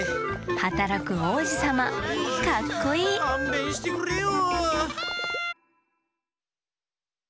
はたらくおうじさまかっこいい！かんべんしてくれよ！